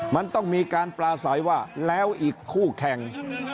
มันต้องมีการปลาใสว่าแล้วอีกคู่แข่ง